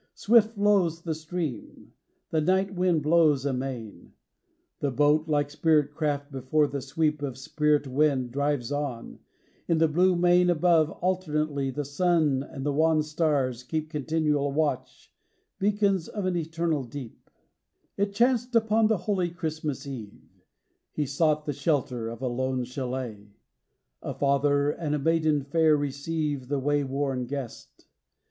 Swift flows the stream; the night wind blows amain; The boat, like spirit craft before the sweep Of spirit wind, drives on; in the blue main Above, alternately, the sun and wan stars keep Continual watch, beacons of an eternal deep. CHRISTMAS EVE. 15 XXIV. It chanced upon the holy Christmas eve: He sought the shelter of a lone chalet. A father and a maiden fair receive The way worn guest.